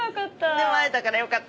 でも会えたからよかった。